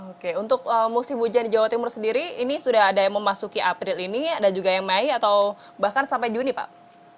oke untuk musim hujan di jawa timur sendiri ini sudah ada yang memasuki april ini ada juga yang mei atau bahkan sampai juni pak